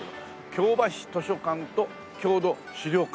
京橋図書館と郷土資料館